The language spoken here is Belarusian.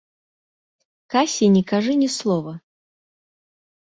Касі не кажы ні слова.